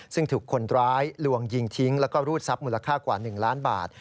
ซึ่งถูกคนร้ายลวงยิงทิ้งแล้วก็รูดทรัพย์มูลค่ากว่า๑ล้านบาท